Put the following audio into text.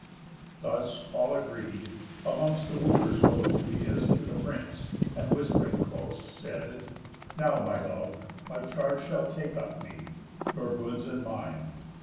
Thus, all agreed, amongst the Wooers goes Eumæus to the prince, and, whisp'ring close, Said: "Now, my love, my charge shall take up me, (Your goods and mine).